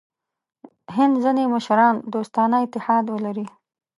هند ځیني مشران دوستانه اتحاد ولري.